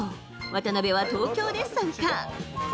渡辺は東京で参加。